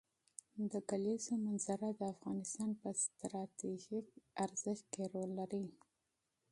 د کلیزو منظره د افغانستان په ستراتیژیک اهمیت کې رول لري.